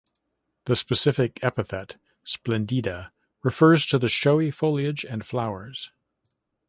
The specific epithet ("splendida") refers to the showy foliage and flowers.